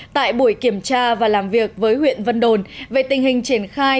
tại buổi kiểm tra và làm việc với huyện vân đồn về tình hình triển khai